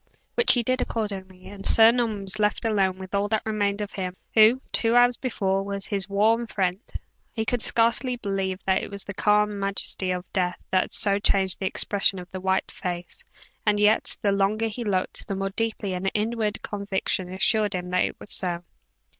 Which he did, accordingly; and Sir Norman was left alone with all that remained of him who, two hours before, was his warm friend. He could scarcely believe that it was the calm majesty of death that so changed the expression of that white face, and yet, the longer he looked, the more deeply an inward conviction assured him that it was so.